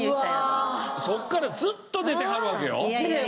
そこからずっと出てはるわけよ。